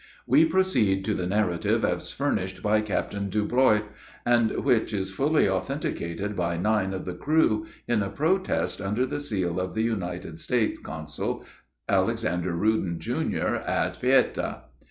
We proceed to the narrative as furnished by Captain Deblois, and which is fully authenticated by nine of the crew, in a protest under the seal of the United States Consul, Alexander Ruden, Jr., at Paita.